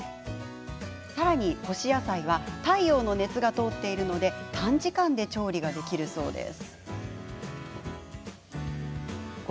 さらに、干し野菜は太陽の熱が通っているので短時間で調理ができるそうです。